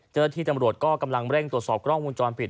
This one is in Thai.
เจรจที่ตำรวจกำลังเร่งตรวจสอบกล้องวุ้นจรปิด